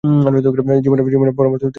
জীবনের পরম অর্থ তিনি খুঁজে পেয়েছিলেন।